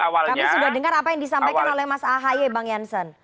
kami sudah dengar apa yang disampaikan oleh mas ahaye bang jansen